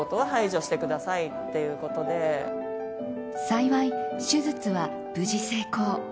幸い、手術は無事成功。